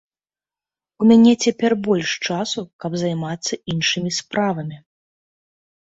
У мяне цяпер больш часу, каб займацца іншымі справамі.